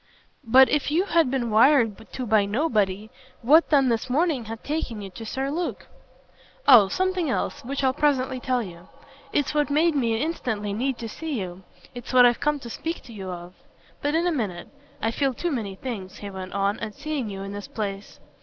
"But if you had been wired to by nobody what then this morning had taken you to Sir Luke?" "Oh something else which I'll presently tell you. It's what made me instantly need to see you; it's what I've come to speak to you of. But in a minute. I feel too many things," he went on, "at seeing you in this place."